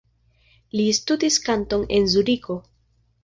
Li studis kanton en Zuriko.